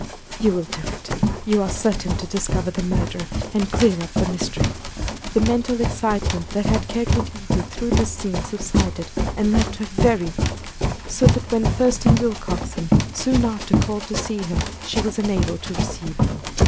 "You will do it! You are certain to discover the murderer, and clear up the mystery." The mental excitement that had carried Edith through this scene subsided, and left her very weak, so that when Thurston Willcoxen soon after called to see her, she was unable to receive him.